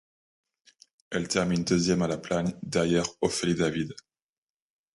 Elle termine deuxième à La Plagne derrière Ophélie David.